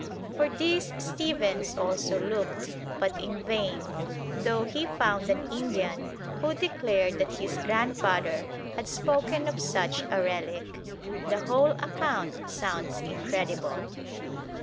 For this Stephens also looked, but in vain, though he found an Indian who declared that his grandfather had spoken of such a relic. The whole account sounds incredible.